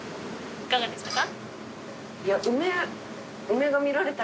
いかがでしたか？